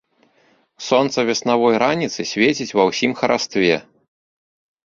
Сонца веснавой раніцы свеціць ва ўсім харастве.